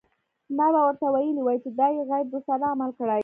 ما به ورته ویلي وای چې دا یې غیر دوستانه عمل کړی.